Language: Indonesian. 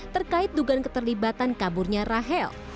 terkait dugaan keterlibatan kaburnya rahel